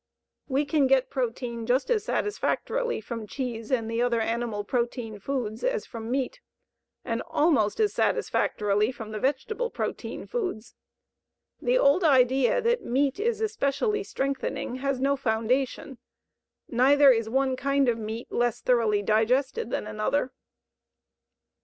We can get protein just as satisfactorily from cheese and the other animal protein foods as from meat, and almost as satisfactorily from the vegetable protein foods. THE OLD IDEA THAT MEAT IS ESPECIALLY "STRENGTHENING" HAS NO FOUNDATION. Neither is one kind of meat less thoroughly digested than another.